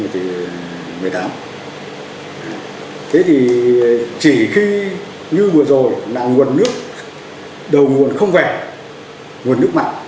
thế thì chỉ khi như vừa rồi là nguồn nước đầu nguồn không vẻ nguồn nước mặn